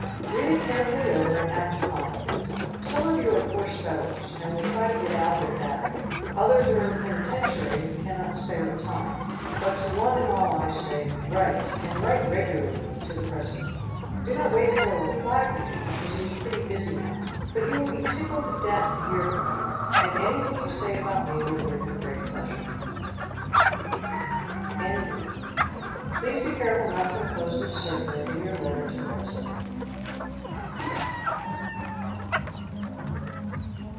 Read it carefully over and act upon it. Some of you are poor spellers, and will try to get out of it in that way. Others are in the penitentiary and cannot spare the time. But to one and all I say, write, and write regularly, to the president. Do not wait for a reply from him, because he is pretty busy now; but he will be tickled to death to hear from you, and anything you say about me will give him great pleasure. N.B. Please be careful not to inclose this circular in your letter to the president.